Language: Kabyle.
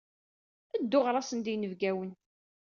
Ddu ɣer-asen-d i yinebgawen!